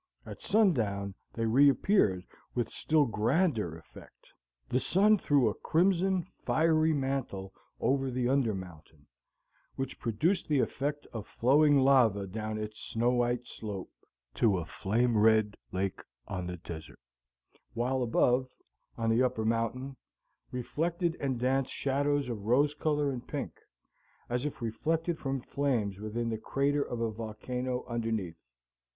At sundown they reappeared with still grander effect. The sun threw a crimson, fiery mantle over the under mountain, which produced the effect of flowing lava down its snow white slope to a flame red lake on the desert, while above, on the upper mountain, reflected and danced shadows of rose color and pink, as if reflected from flames within the crater of a volcano underneath.